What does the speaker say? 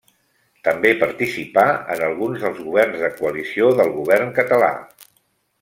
També participà en alguns dels governs de coalició del govern català.